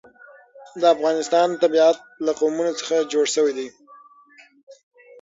د افغانستان طبیعت له قومونه څخه جوړ شوی دی.